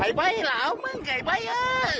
ไอ้ไบ้เหล่ามึงไอ้ไบ้อ่ะ